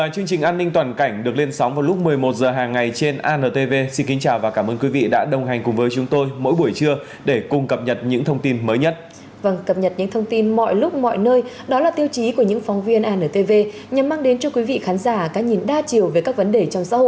các bạn hãy đăng ký kênh để ủng hộ kênh của chúng mình nhé